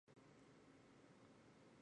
褐背柳是杨柳科柳属的植物。